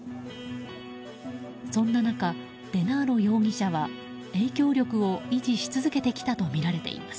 そんな中、デナーロ容疑者は影響力を維持し続けてきたとみられています。